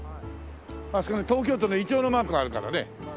あそこに東京都のイチョウのマークがあるからね。